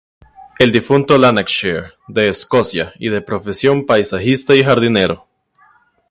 El difunto Lanarkshire, de Escocia, y de profesión paisajista y jardinero.